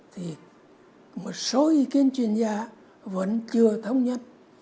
thì một số ý kiến chuyên gia vẫn chưa thống nhất